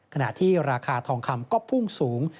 ขณะที่ราคาทองคำก็พุ่งสูง